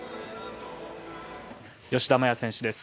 吉田麻也選手です。